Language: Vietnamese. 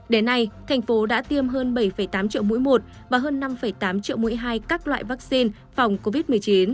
đến nay thành phố đã tiêm hơn bảy tám triệu mũi một và hơn năm tám triệu mũi hai các loại vaccine phòng covid một mươi chín